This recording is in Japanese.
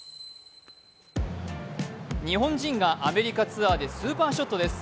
日本人がアメリカツアーでスーパーショットです。